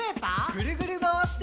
ぐるぐるまわして。